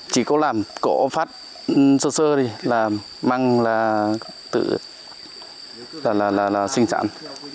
chỉ có làm cổ phát sơ sơ thì là mang là tự sinh sản